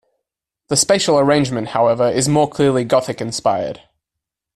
The spatial arrangement, however, is more clearly Gothic-inspired.